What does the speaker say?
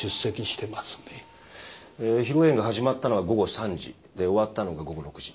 えー披露宴が始まったのが午後３時で終わったのが午後６時。